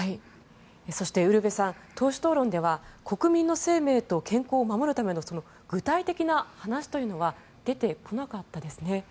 そしてウルヴェさん党首討論では国民の生命と健康を守るための具体的な話というのは出てこなかったですね。